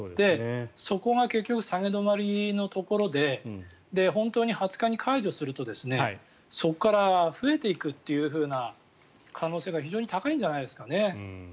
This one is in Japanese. そこが結局下げ止まりのところで本当に２０日に解除するとそこから増えていくというふうな可能性が非常に高いんじゃないですかね。